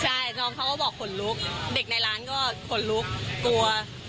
ใช่น้องเขาก็บอกขนลุกเด็กในร้านก็ขนลุกกลัว